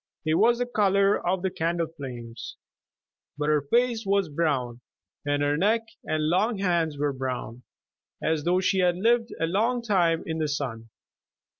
It was the color of the candle flames. But her face was brown, and her neck and long hands were brown, as though she had lived a long time in the sun.